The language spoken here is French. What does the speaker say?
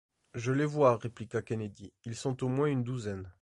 Je les vois, répliqua Kennedy ; ils sont au moins une douzaine.